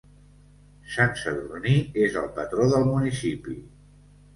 Sant Sadurní és el patró del municipi.